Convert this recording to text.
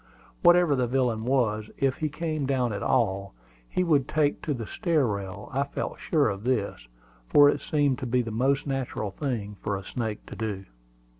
Whatever the villain was, if he came down at all, he would take to the stair rail. I felt sure of this, for it seemed to be the most natural thing for a snake to do.